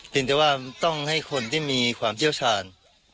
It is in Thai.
เป็นแต่ว่าต้องให้คนที่มีความเชี่ยวชาญ